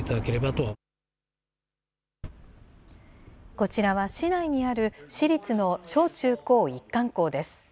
こちらは市内にある私立の小中高一貫校です。